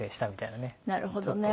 なるほどね。